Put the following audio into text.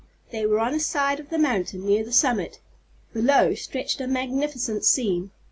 They were on a side of the mountain, near the summit. Below stretched a magnificent scene.